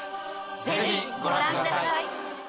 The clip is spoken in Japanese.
ぜひご覧ください。